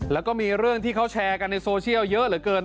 แล้วก็มีเรื่องที่เขาแชร์กันในโซเชียลเยอะเหลือเกิน